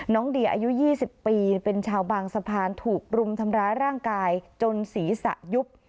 เดียอายุ๒๐ปีเป็นชาวบางสะพานถูกรุมทำร้ายร่างกายจนศีรษะยุบ